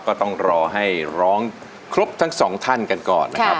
ก็ต้องรอให้ร้องครบทั้งสองท่านกันก่อนนะครับ